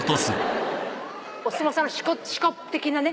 お相撲さんの四股的なね。